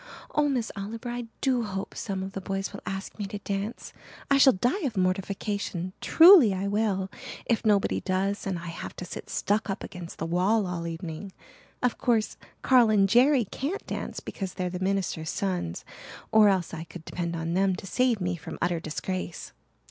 Oh, Miss Oliver, I do hope some of the boys will ask me to dance. I shall die of mortification truly I will, if nobody does and I have to sit stuck up against the wall all the evening. Of course Carl and Jerry can't dance because they're the minister's sons, or else I could depend on them to save me from utter disgrace."